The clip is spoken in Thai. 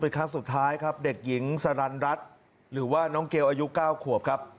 เป็นครั้งสุดท้ายครับเด็กหญิงสรรณรัฐหรือว่าน้องเกลอายุ๙ขวบครับ